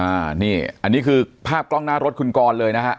อันนี้อันนี้คือภาพกล้องหน้ารถคุณกรเลยนะฮะ